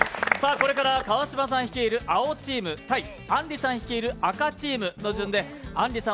これから川島さん率いる青チーム対、あんりさん率いる赤チームの順であんりさん